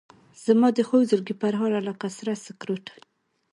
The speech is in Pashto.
زمادخوږزړګي پرهاره لکه سره سکروټه